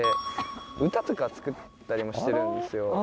歌とか作ったりもしてるんですよ。